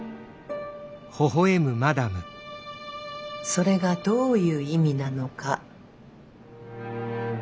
それがどういう意味なのか分かってる？